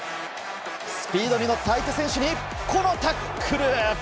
スピードに乗った相手選手に、このタックル。